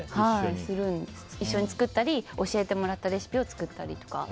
一緒に作ったり教えてもらったレシピを作ったりとか。